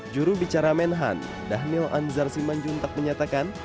juru bicara menhan dhanil anzar simanjuntak menyatakan